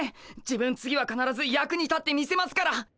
自分次はかならず役に立ってみせますからっ！